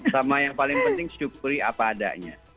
sama yang paling penting syukuri apa adanya